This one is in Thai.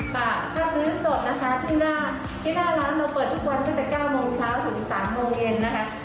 ค่ะถ้าซื้อสดนะคะเพราะว่าที่หน้าร้านเราเปิดทุกวันตั้งแต่๙โมงเช้าถึง๓โมงเย็นนะคะ